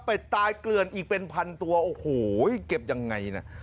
ตายเกลือนอีกเป็นพันตัวโอ้โหเก็บยังไงนะ